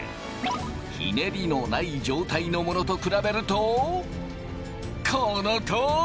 ひねりのない状態のものと比べるとこのとおり！